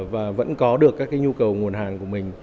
và vẫn có được các nhu cầu nguồn hàng của mình